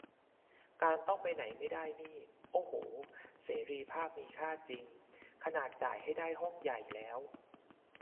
การต้องไปไหนไม่ได้นี่ โอ้โห เสรีภาพมีค่าจริง ขนาดจ่ายให้ได้ห้องใหญ่แล้ว